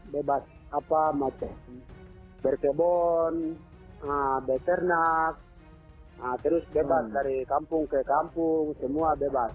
bebas apa macam berkebon beternak terus bebas dari kampung ke kampung semua bebas